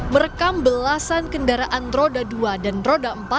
merekam belasan kendaraan roda dua dan roda empat